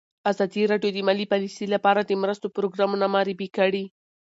ازادي راډیو د مالي پالیسي لپاره د مرستو پروګرامونه معرفي کړي.